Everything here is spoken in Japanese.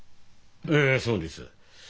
ええそうです。